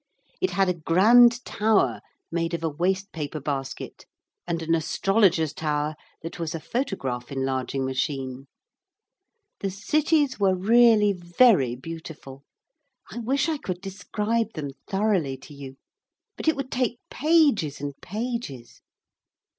It had a grand tower made of a waste paper basket and an astrologer's tower that was a photograph enlarging machine. The cities were really very beautiful. I wish I could describe them thoroughly to you. But it would take pages and pages.